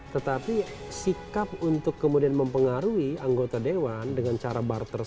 tetapi sikap untuk kemudian mempengaruhi anggota dewan dengan cara barter